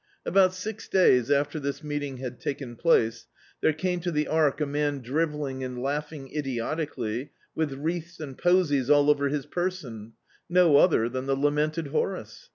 About six days after this meeting had taken place, there came to the Ark a man drivelling and laud ing idiotically, with wreaths and posies all over his person — no other than the lamented Horace.